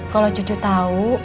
kalau cucu tahu